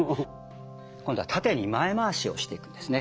今度は縦に前回しをしていくんですね。